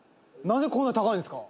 「なぜこんなに高いんですか？」